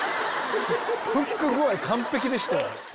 フック具合完璧でしたよね。